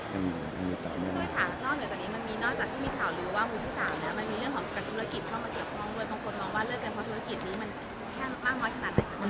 ด้วยค่ะนอกจากที่มีข่าวลื้อว่ามูลที่สามนะมันมีเรื่องของกับธุรกิจเข้ามาเกี่ยวกับงองมือ